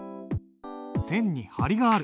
線に張りがある。